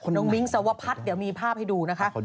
น้องวิ้งท์สวรรพรรดิเดี๋ยวมีภาพให้ดูนะคะ